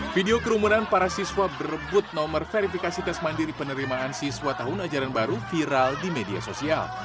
video kerumunan para siswa berebut nomor verifikasi tes mandiri penerimaan siswa tahun ajaran baru viral di media sosial